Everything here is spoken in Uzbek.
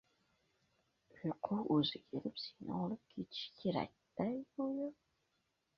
Uyqu oʻzi kelib seni olib ketishi kerakday goʻyo.